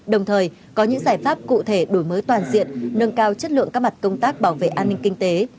đồng thời có những giải pháp cụ thể đổi mới toàn diện nâng cao chất lượng các mặt công tác bảo vệ an ninh kinh tế